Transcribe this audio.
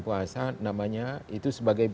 puasa namanya itu sebagai